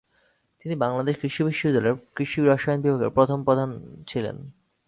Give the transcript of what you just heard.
তিনি বাংলাদেশ কৃষি বিশ্ববিদ্যালয়ের কৃষি রসায়ন বিভাগের প্রথম প্রধান ছিলেন।